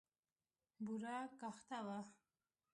بوره کاخته وه.